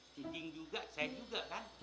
kiking juga saya juga kan